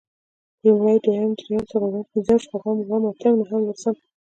لومړی، دويم، درېيم، څلورم، پنځم، شپږم، اووم، اتم، نهم، لسم